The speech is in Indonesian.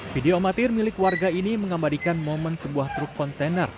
video amatir milik warga ini mengabadikan momen sebuah truk kontainer